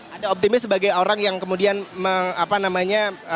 ada optimis sebagai orang yang kemudian